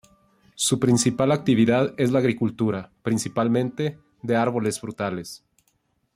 Su principal actividad es la agricultura, principalmente de árboles frutales.